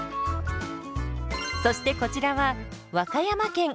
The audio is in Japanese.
そしてこちらは和歌山県。